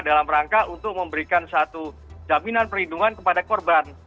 dalam rangka untuk memberikan satu jaminan perlindungan kepada korban